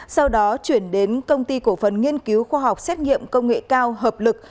sau đó chuyển đến công ty cổ phần nghiên cứu khoa học xét nghiệm công nghệ cao hợp lực